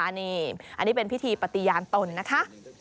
อันนี้เป็นพิธีปฏิญาณตนนะคะ